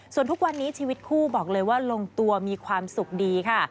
ส่วนทุกวันนี้ชีวิตคู่บอกเลยว่าลงตัวมีความสุขดีค่ะ